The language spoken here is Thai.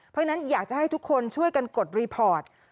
เพราะฉะนั้นอยากจะให้ทุกคนช่วยกันกดรีพอร์ต